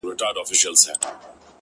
• څومره بلند دی ـ